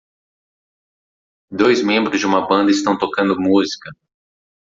Dois membros de uma banda estão tocando música.